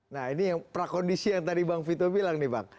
nah ini yang prakondisi yang tadi bang vito bilang nih bang